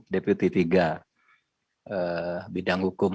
deputi tiga bidang hukum